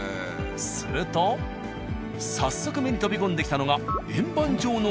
すると早速目に飛び込んできたのが円盤状の。